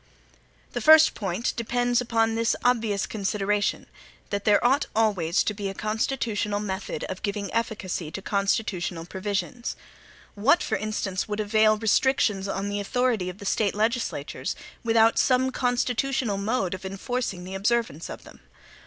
The first point depends upon this obvious consideration, that there ought always to be a constitutional method of giving efficacy to constitutional provisions. What, for instance, would avail restrictions on the authority of the State legislatures, without some constitutional mode of enforcing the observance of them?